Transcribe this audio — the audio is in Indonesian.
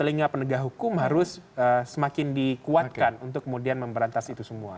palingnya penegak hukum harus semakin dikuatkan untuk kemudian memberantas itu semua